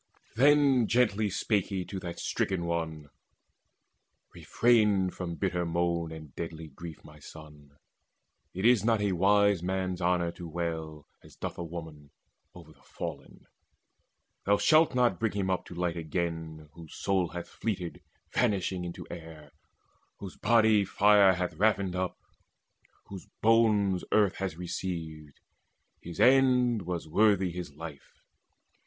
Then gently spake he to that stricken one: "Refrain from bitter moan and deadly grief, My son. It is not for a wise man's honour To wail, as doth a woman, o'er the fallen. Thou shalt not bring him up to light again Whose soul hath fleeted vanishing into air, Whose body fire hath ravined up, whose bones Earth has received. His end was worthy his life.